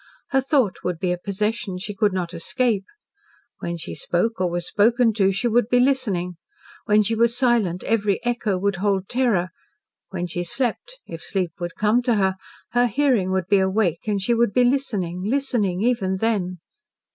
Her thought would be a possession she could not escape. When she spoke or was spoken to, she would be listening when she was silent every echo would hold terror, when she slept if sleep should come to her her hearing would be awake, and she would be listening listening even then.